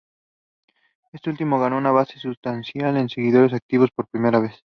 Este último ganó una base sustancial de seguidores activos por primera vez.